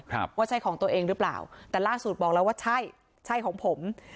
ว่าใช่ของตัวเองหรือเปล่าแต่ล่าสุดบอกแล้วว่าใช่ใช่ของผม